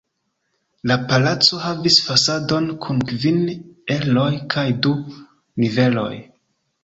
La palaco havis fasadon kun kvin eroj kaj du niveloj.